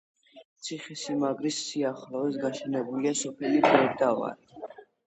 ციხესიმაგრის სიახლოვეს გაშენებულია სოფელი ბერდავანი.